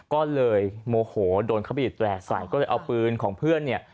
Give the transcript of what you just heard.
ก็เลยโมโหโดนเขาบีดแร่ใส่ก็เลยเอาปืนของเพื่อนเนี่ย